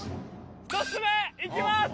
１つ目いきます！